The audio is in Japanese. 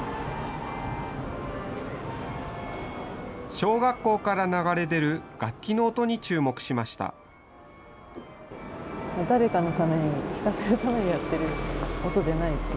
小学校から流れ出る、楽器の音に注目しました。